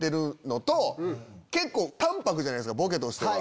結構淡泊じゃないですかボケとしては。